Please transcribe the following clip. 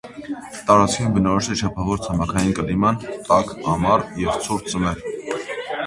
Տարածքին բնորոշ է չափավոր ցամաքային կլիման՝ տաք ամառ և ցուրտ ձմեռ։